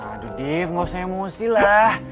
aduh dief gak usah emosi lah